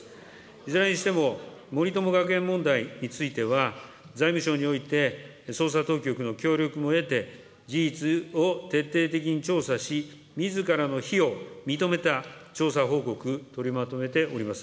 いずれにしても森友学園問題については、財務省において、捜査当局の協力も得て、事実を徹底的に調査し、みずからの非を認めた調査報告、取りまとめております。